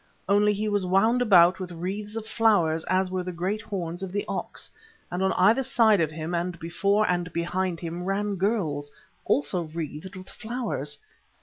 Only he was wound about with wreaths of flowers as were the great horns of the ox, and on either side of him and before and behind him ran girls, also wreathed with flowers.